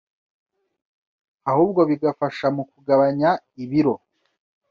ahubwo bigafasha mu kugabanya ibiro